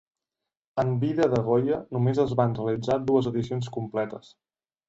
En vida de Goya només es van realitzar dues edicions completes.